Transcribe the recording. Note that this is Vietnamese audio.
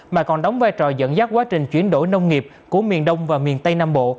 mà còn đóng vai trò dẫn dắt quá trình chuyển đổi nông nghiệp của miền đông và miền tây nam bộ